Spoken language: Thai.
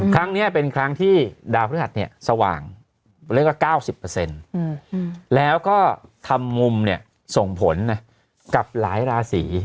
ครั้งนี้เป็นครั้งที่ดาวพฤหัสเนี่ยสว่างเรียกว่า๙๐แล้วก็ทำมุมเนี่ยส่งผลกับหลายราศี